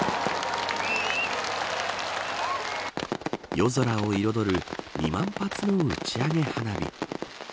夜空を彩る２万発の打ち上げ花火。